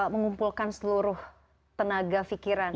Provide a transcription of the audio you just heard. mengumpulkan seluruh tenaga fikiran